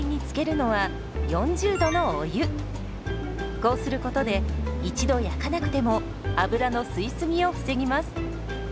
こうすることで一度焼かなくても油の吸い過ぎを防ぎます。